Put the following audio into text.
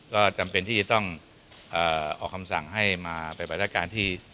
ก็จำเป็นที่จะต้องออกคำสั่งให้มาปฏิบัติการที่